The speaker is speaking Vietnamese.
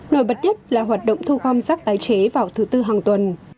nổi bật nhất là hoạt động thu gom rác tái chế vào thứ tư hàng tuần